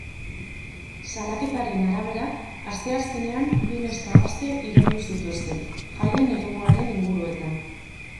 Salaketaren arabera, asteazkenean bi neska gazte iraindu zituzten, jaien eremuaren inguruetan.